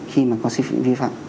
khi mà có sự vi phạm